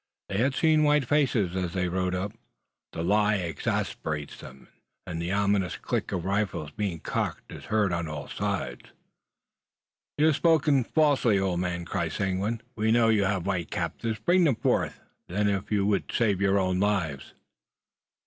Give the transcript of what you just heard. They had seen white faces as they rode up. The lie exasperates them, and the ominous click of rifles being cocked is heard on all sides. "You have spoken falsely, old man," cries Seguin. "We know you have white captives. Bring them forth, then, if you would save your own lives!"